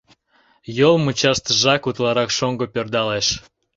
Йол мучаштыжак утларак шоҥго пӧрдалеш.